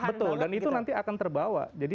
banget gitu betul dan itu nanti akan terbawa jadi